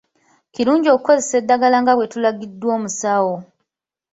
Kirungi okukozesa eddagala nga bwe tulagiddwa omusawo.